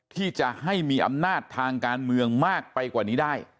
ที่จะให้มีอำนาจทางการเมืองมากไปกว่านี้ได้